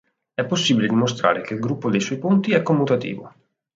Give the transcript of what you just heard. È possibile dimostrare che il gruppo dei suoi punti è commutativo.